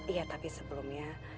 iya tapi sebelumnya